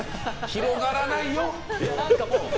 広がらないよ。